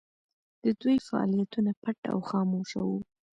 د دوی فعالیتونه پټ او خاموشه وو.